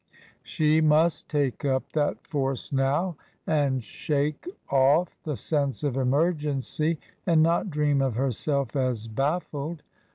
She must take up that force now and shake off the sense of emergency and not dream of herself as baffled.